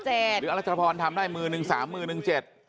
หรืออรัชภรณ์ทำได้มือหนึ่ง๓มือหนึ่ง๗